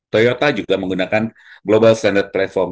toyota juga menggunakan global standard platform